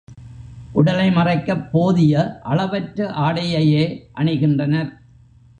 உடலை மறைக்கப் போதிய அளவற்ற ஆடையையே அணிகின்றனர்.